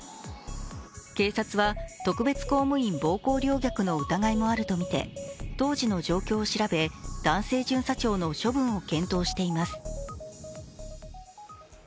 警察は特別公務員暴行凌虐の疑いもあるとみて当時の状況を調べ男性巡査長の処分を検討しています。